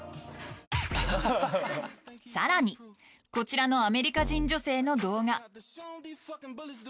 さらにこちらのアメリカ人女性の動画